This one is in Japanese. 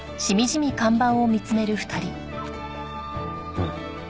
うん。